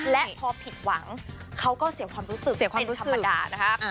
และพอผิดหวังเขาก็เสียความรู้สึกเป็นธรรมดานะครับ